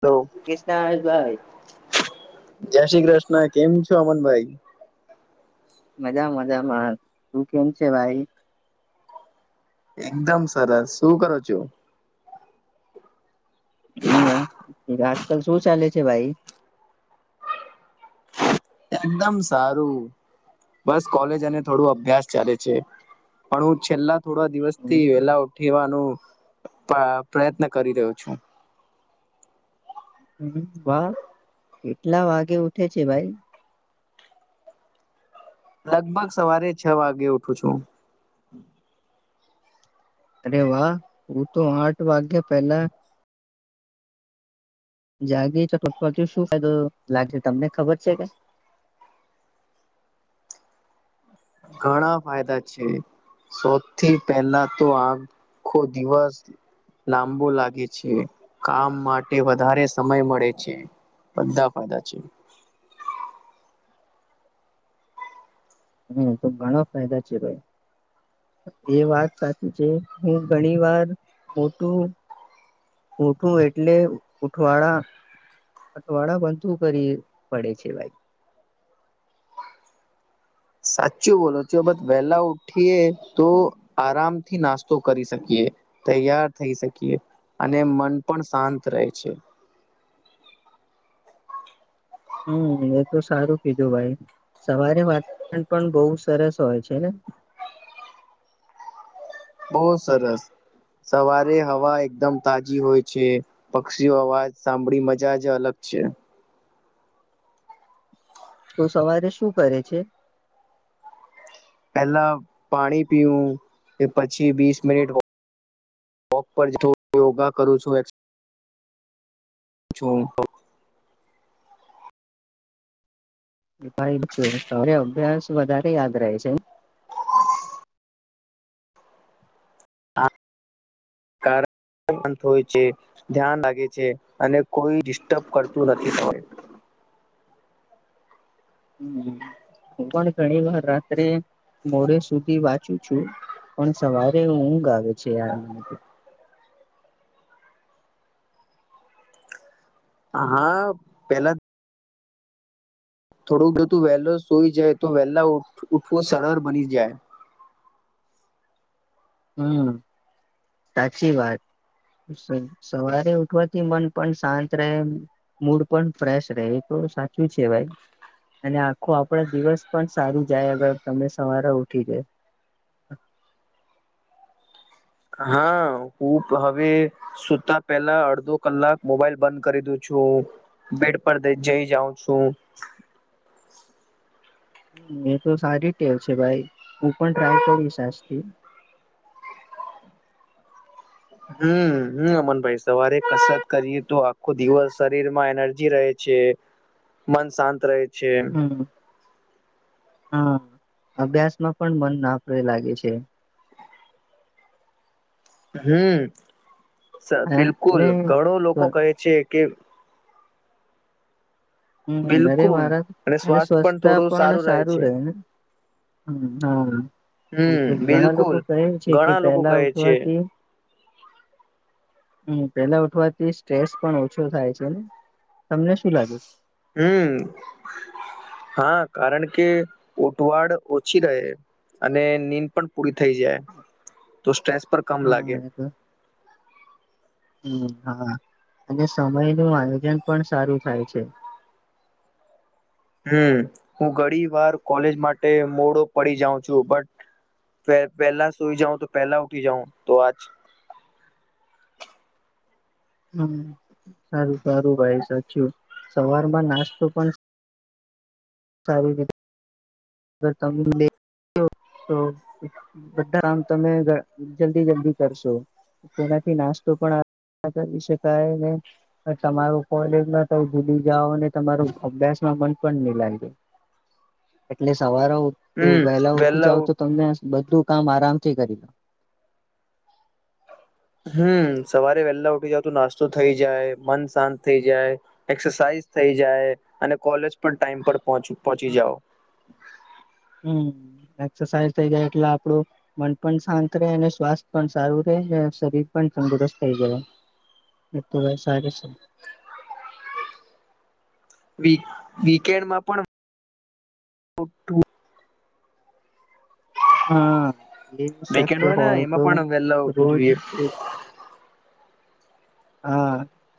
Hello. Krishna ભાઈ જય શ્રી કૃષ્ણ કેમ છો અમનભાઈ? મજામાં મજામાં, તું કેમ છે ભાઈ? એકદમ સરસ શું કરો છો? આજકાલ શું ચાલે છે ભાઈ? એકદમ સારું. બસ કોલેજ અને થોડું અભ્યાસ ચાલે છે. પણ હું છેલ્લા થોડા દિવસ થી વેલા ઉઠીવાનું પ્રયત્ન કરી રહ્યો છું. હમ વા કેટલા વાગે ઉઠે છે ભાઈ? લગભગ સવારે છ વાગે ઉઠું છું. અરે વાહ હું તો આઠ વાગ્યા પેલા જાગી શું ફાયદો લાગે તમને ખબર છે કે. [inaudible] ઘણા ફાયદા છે. સૌથી પહેલા તો આખો દિવસ લાંબુ લાગે છે. કામ માટે વધારે સમય મળે છે. બધા ફાયદા છે. [inaudible] હમ્મ તો ઘણા ફાયદા છે ભાઈ એ વાત સાચી છે. હું ઘણી વાર મોટું ઊઠું એટલે ઉઠવાળા અઠવાડા બનતું કરીએ પડે છે ભાઈ. [inaudible] સાચું બોલો છો. બસ વેલા ઉઠીએ તો આરામ થી નાસ્તો કરી શકીએ. તૈયાર થઇ શકીએ. અને મન પણ શાંત રહે છે. [inaudible] હમ્મ એ તો સારું કીધું ભાઈ. સવારે વાતવરણ પણ બહું સરસ હોય છે ને? [inaudible] બો સરસ સવારે હવા એકદમ તાજી હોય છે. પક્ષીઓ અવાજ સાંભળી મજા જ અલગ છે. તું સવારે શું કરે છે? પેલા પાણી પીવું. કે પછી વીસ મિનિટ વો વોક પર જવું, યોગા કરું છું. એક જોઉં ભાઈ છે અભ્યાસ વધારે યાદ રહે છે ને હા કાર અંત હોય છે. ધ્યાન લાગે છે. અને કોઈ ડિસ્ટર્બ કરતું નથી સમય [inaudible] હમ હું પણ ઘણી વાર રાત્રે મોડે સુધી વાંચું છું. પણ સવારે ઊંગ આવે છે યાર મને તો હા હા પેલા થોડુંક જો તું વહેલો સોઈ જાય તો વહેલા ઉઠવો સરળ બની જાય. [inaudible] હમ સાચી વાત સન સવારે ઉઠવાથી મન પણ શાંત રહે. મૂડ પણ ફ્રેશ રહે તો સાચું છે ભાઈ અને આખો આપણા દિવસ પણ સારું જાય આગળ તમને સવારે ઉઠી જાય. [inaudible] હા હું હવે સુતા પેલા અડધો કલાક મોબાઈલ બંધ કરી દઉં છું. હુ બેડ પર દઇ જઈ જાઉં છું [inaudible] એ તો સારી ટેવ છે ભાઈ. હું પણ ટ્રાય કરીશ આજથી. હમ્મ હમ્મ અમનભાઈ, સવારે કસરત કરીએ તો આખો દિવસ શરીર માં એનર્જી રહે છે. મન શાંત રહે છે હમ્મ હા અભ્યાસ નો પણ મન [unintelligible] લાગે છે. [inaudible] હમ્મ. સર અન બિલકુલ અને ઘણો લોકો કહે છે કે હમ્મ અરે મારા અને સ્વચસ્છતા પણ સારું રહે ને હમ્મ હા બિલકુલ હમ ઘણા લોકો બિલકુલ કહે છે કે ઘણા લોકો વહેલા કહે છે ઉઠવાથી હમ્મ, વહેલા ઉઠવાથી સ્ટ્રેસ પણ ઓછો થાય છે. ને તમને શું લાગે? હમ્મ હા કારણ કે ઉતવાડ ઓછી રહે. અને નીંદ પણ પૂરી થઈ જાય તો સ્ટ્રેસ પર કમ લાગે. હા હમ્મ હા અને સમય નું આયોજન પણ સારું થાય છે. [inaudible] હમ્મ હું ઘણી વાર કોલેજ માટે મોડો પડી જાઉં છું બટ વહેલા સુઈ જાઉ તો વહેલા ઉઠી જાઉં તો આજ [inaudible] હમ્મ સારું સારું ભાઈ સાચું સવારમાં નાસ્તો પણ સારી રીતે [unintelligible] [unintelligible] બધા કામ તમે જલ્દી જલ્દી કરશો. તેનાથી નાસ્તો પણ કરી શકાયને તમારું કોલેજમાં ત જુદી જાઓ ને તમારું અભ્યાસમાં મન પણ નહી લાગે. એટલે સવારે ઉઠું હમ વહેલા ઉઠી વેલા જાવ તો તમને બધું કામ આરામથી કરી દો. હમ્મ સવારે વેહેલા ઉઠી જાવ તો નાસ્તો થઇ જાય મન શાંત થઇ જાય એક્સરસાઇઝ થઈ જાય અને કોલેજ પણ ટાઈમ પર પહોચી લો જઓ. એસરસાઇઝ થઈ જાય એટલે આપડું મન પણ શાંત રહે અને સ્વાસ્થ પણ સારું રહે શરીર પણ તંદુરસ્ત પણ રવો. વ વીકેન્ડમાં પણ રટું હા એમ શ વીકેન્ડ કે હોય હો ને એમાં તો પણ વહેલા ઉઠવું રોજ જોઈએ એક હા.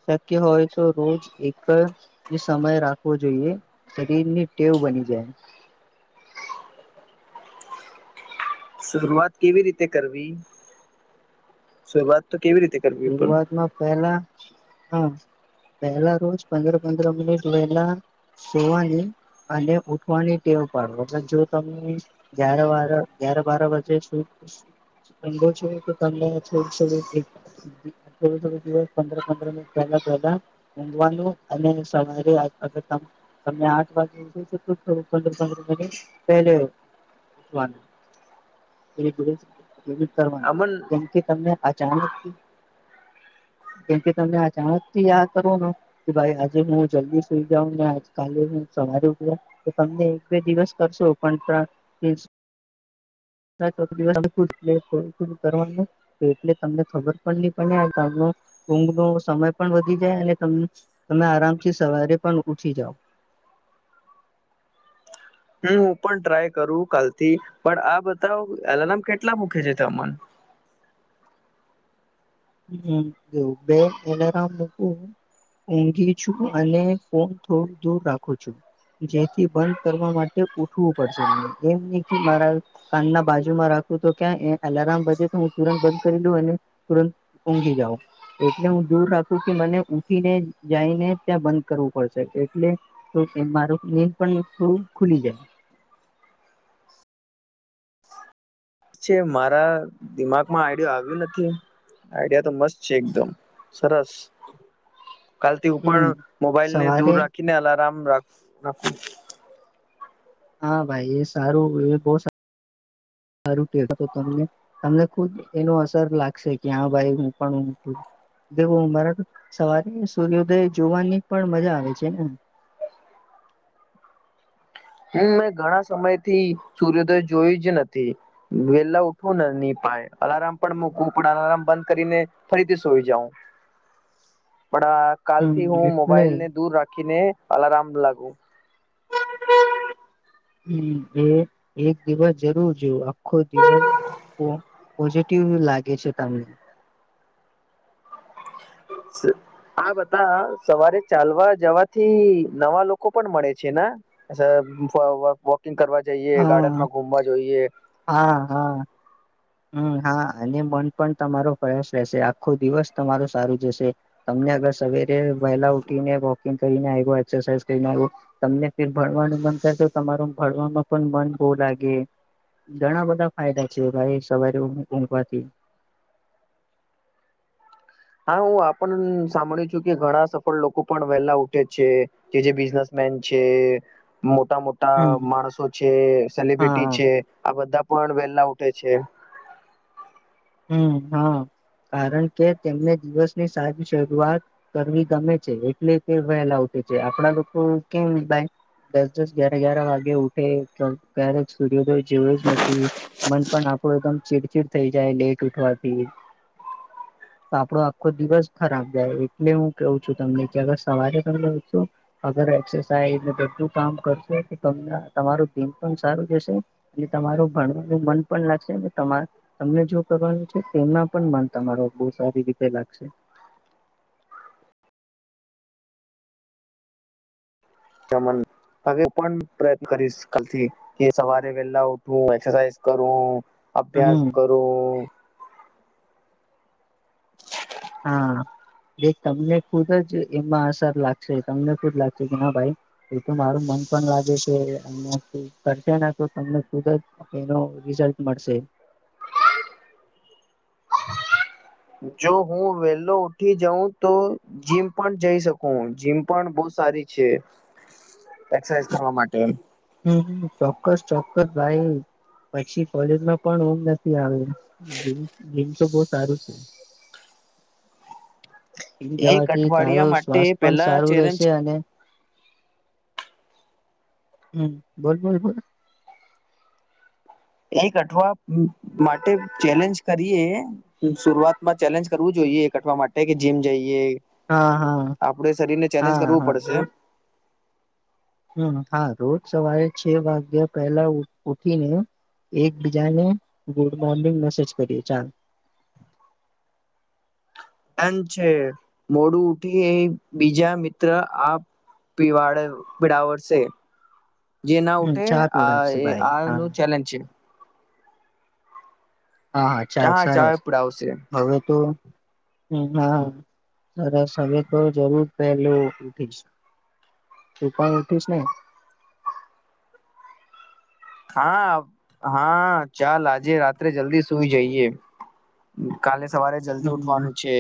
શક્ય હોય તો રોજ એક જે સમય રાખવો જોઈએ શરીર ની ટેવ બની જાય. શરૂઆત કેવી રીતે કરવી શુરૂઆત તો કેવી રીતે કરવી પણ શરૂઆતમાં પેલા હા. પહેલા રોજ પંદર પંદર મિનિટ વહેલા જોવાની અને ઉઠવાની ટેવ પાડ જો તમે્ય વા ગ્યાર બાર વાજે સુ ભો છે કડા થોડું થોડું થોડું થોડું દિવસ પંદર પંદર મિનિટ પહેલા પહેલા ઊઘવાનું અને સવારે [unintelligible] તમને આઠ વાગે થું પંદર પંદર મિનિટ પહે કરવાનું અમન કેમકે તમને અચાનક [unintelligible] કેમકે તમે અચણક થી યાદ કરો ને કે ભાઈ આજે હું જલ્દી સુઈ જાઉં કાલે હ [unintelligible] તમને એક બે દિવસ કરશો પણ ત્ર [unintelligible] કરવાનું એટલે તમને ખબર પણ નહી પડે આ ગામ ઊંઘ ન સમય પણ વધી જાય અને તમે આરામથી સવારે પણ ઉઠી જાવ હમ્મ હું પણ ટ્રાય કરું કાલથી પણ આ બધ એલારામ કેટલા મૂકે છે તમ? હમ્મ જો બે અલારમ મુકું ઊઘી છું અને ફોન થોડું દૂર રાખું છું. જેથી બંધ કરવા માટે ઉઠવું પડશે મને એમથી મારા કાનના બાજુમાં રાખ તું તો ત્યાં અલારમે તો હું તુરંત બંધ કરી લઉ અને તુરંત ઊંઘી જાઉ. એટલે હું દૂર રાખું કે મને ઉઠીને જઈને ત્યાં બંધ કરવું પડશે એટલે મારું નીંદ પણ થોડું ખુલી જાય. છે મારા દિમાગમાં આઈડિયો આવ્યો નથી આઈડિયા તો મસ્ત છે એકદમ સરસ કાલથી હું જાય પણ હમ. મોબાઈલ ને દૂર સવારે રાખીને અલારમ રા રાખું હા ભાઈ એ સારું એ બહુ સા સારું કેતો તો તમને તમને ખુદ એનો અસર લાગશે કે હા ભાઈ હું પણ હું દવું મારા તો સવારે સૂર્યો્યોદય જોવાની પણ મજા આવે છે ને [inaudible] હમ મેં ઘણા સમય થી સૂર્યોદય જોયું જ નથી વેલા ઉઠવું ન અલારમ પણ મકું પણ અલાર્મ બંધ કરીને ફરીથી સોઈ જાાવં [inaudible] પણ હમ કાલથી હું એટલે મોબાઈલ ને દૂર રાખીને અલારમ લાગુ હમ એ એક દિવસ જરૂર જોવ આખો દિવસ પઝિટીવ લાગે છે તમને આ બતા સવારે ચાલવા જવાથી નવા લોકો પણ મળે છે વોકિગ કરવા જઈએ હા ગાર્ડનમાં ઘુમવા જોઈએ હા હા હમ હા અને મન પણ તમારો ફ્રેશ રહેશે આખો દિવસ તમારો સારું જશે તમને સવેર વહેલા ઉઠીને વોકિંગ કરીને આવ એક્રસા કરીને આવ તમને ફ ભણવાનું મન તો તમાર ભણવામાં પણ મન બહુ લાગે ઘણા બધા ફાયદા છે ભાઈ સવારે ઉગ ઉગવાથી હા હું આપણ સાંભળી છું કે ઘણા સફળ લોકો પણ વહેલા ઉઠે છે કે જે બિનેસ બિજન્સમેન મોટા મોટા હમ માણસો છે સેલબ્રિટી હા છે આ બધા. પણ વેલા ઉઠે છે. હમ હા. કારણ કે તેમને દિવસની સારી શરૂઆત કરવી ગમે છે એટલે કે વહેલા. આપડા લોકો લોકો કેમ ભાઈ. દસ દસ ગ્યાર ગ્યાર વાગે ઉઠે તો ક્યારેક સૂર્યોદય તો જેવું જ નથી મન પણ આપ. એકદમ ચીડચીડ થઈ જાય લેટ ઉઠવાથી. તો આપડો આખો દિવસ ખરાબ જાય એટલે હું કેવું છું તમને કે અગર સવારે તમે ઉઠશો તો. એક્સરસાઇઝ ને બઘું કામ કરશો તમારું દિન પણ સારું જશે અને તમારું. ભણવાનું મન પણ લાગશે તમા તમને જો. કરવા છે તેના પણ મન તમારો બહુ સારી રીતે લાગશે. [inaudible] [inaudible] કેમન. હવે પણ પ્રયત્ન કરીશ કાલથી કે સવારે વેલા ઉઠવું એક્સરસાઝ કરવું. અભ્યાસ હમ કરું. હા. એ તમને ખુદ જ એમાં અસર લાગશે તમને ખુદ લાગશે કે ના ભાઈ એ તો મારું મ. પણ લાગે છે કર તો તમને ખુદ જ એનો રિઝલ્ટ મળશે. [inaudible] [inaudible] જો હું વેલો ઉઠી જઉં તો જીમ પણ જઈ શકું જીમ પણ બહુ સારી. છે એક્સરસાઇઝ કરવા માટે. હમ ચોક્કસ ચોક્કસ ભાઈ. પછી કોલેજમાં પણમ ઉંઘ નથી આવે જીમ તો બ સારું છે. [inaudible] [inaudible] એ એક જવાથી અઠવાડિયા તારું માટે સ્વાસ્થ પણ પેલા સારું રહેશે ચેલેન્જ અને. હમ બોલ બોલ બોલ. એક અઠવા માટે ચેલેન્જ કરીએ શરુઆત માં ચેલેન્જ કરવું જોઈએ. કટવા માટે કે જીમ જઈએ. હા હા આપડે શરીર ને ચેલેન્જ હા કરવું હા પડશે. રોજ હમ હા રોજ સવારે છ વાગ્યા પહેલા ઉઠીને. એકબીજાને ગુડ મોર્નિંગ મેસેજ કરીએ ચાલ. [inaudible] છે મોડું ઉઠી એ બીજા મિત્ર આ પીવાળ પીડાવશે જે ના હમ ઉઠે ચા આ પીવડાવશે ભાઈ આ હા નો ચેલેન્જ છે. હા હા ચાલ ચા ચા સરસ પીડાવશે હવે તો હા સરસ હવે તો જરૂર પહેલું ઉઠીશ તુ પણ ઉઠીસ‌ ને હા હા ચાલ આજે રાત્રે જલ્દી સુઈ જઈએ કાલે સવારે જલ્દી હમ ઉઠવાનું છે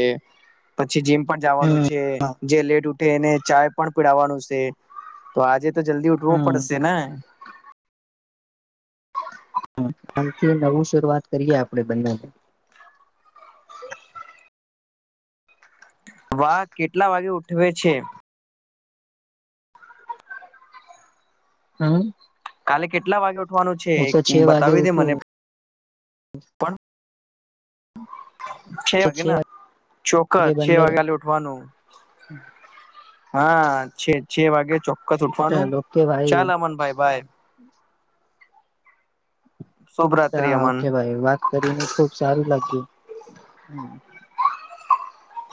પછી જીમ પણ જવાનું હમ છે જે લેટ તે ને ચાય પણ પીડાવાનું છે તો આજે તો જલ્દી ઉઠવો હમ પડશે ને [unintelligible] આથી નવું શરૂઆત કરીયે આપડે બંને [inaudible] વાહ કેટલા વાગે ઉઠવે છે. હમ કાલે કેટલા વાગે ઉઠવાનું છે હું એક તો વાગે બતાવી દે મને ઉઠું પણ છે વાગે ના વાગે ચોક્કસ છે બંને વાગે ઉઠવાનું હા છે છે વાગે ચોક્કસ ઉઠવાનું ચાલ ઓકે ભાઈ ચાલ અમન ભાઈ ભાઈ શુભ રાત્રી હા અમન ઓકે ભાઈ વાત કરીને ખુબ સારું લાગ્યું.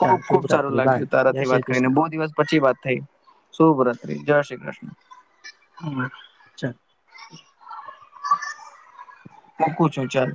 ચાલ શુભ ખુબ સારું રાત્રી બાય લાગ્યું જય તારાથી શ્રી વાત કૃષ્ણ કરીને બો દિવસ પછી વાત થઈ. શુભ રાત્રી જય શ્રી કૃષ્ણ. હમમ ચા મૂકું છું ચાલ.